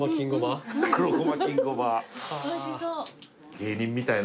芸人みたいな。